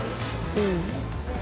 うん。